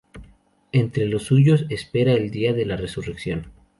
Entre los suyos espera el día de la resurrección.